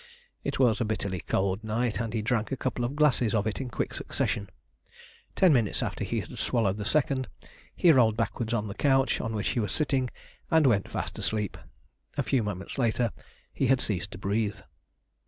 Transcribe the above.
It was a bitterly cold night, and he drank a couple of glasses of it in quick succession. Ten minutes after he had swallowed the second he rolled backwards on the couch on which he was sitting and went fast asleep. A few moments later he had ceased to breathe.